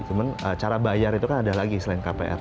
cuma cara bayar itu kan ada lagi selain kpr